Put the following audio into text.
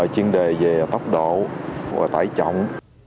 chuyên đề về tốc độ của tải trọng